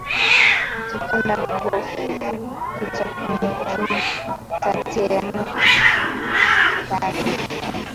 Ukipenda fichika mukongomani makuta tiya mu kitabu